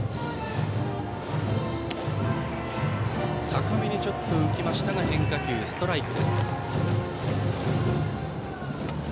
高めに浮きましたが変化球、ストライクです。